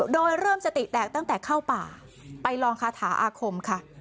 โดยเริ่มสติแตกตั้งแต่เข้าป่าไปลองคาถาอาคมค่ะ